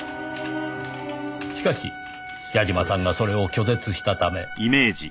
しかし矢嶋さんがそれを拒絶したため。